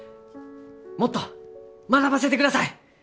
もっと学ばせてください！